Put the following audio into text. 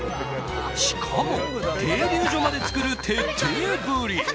しかも、停留所まで作る徹底ぶり。